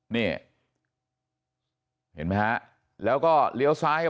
นี่คุณตูนอายุ๓๗ปีนะครับ